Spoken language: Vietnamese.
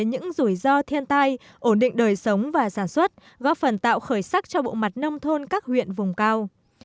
những rủi ro thiên tai ổn định đời sống và sản xuất góp phần tạo khởi sắc cho bộ mặt nông thôn các huyện vùng cao